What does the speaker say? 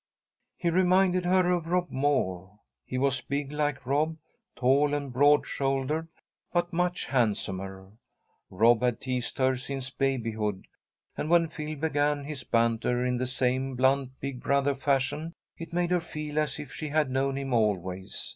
He reminded her of Rob Moore. He was big like Rob, tall and broad shouldered, but much handsomer. Rob had teased her since babyhood, and, when Phil began his banter in the same blunt, big brother fashion, it made her feel as if she had known him always.